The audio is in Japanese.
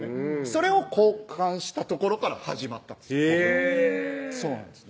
それを交換したところから始まったんですへぇそうなんです